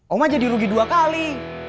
oma jadi rugi dua kali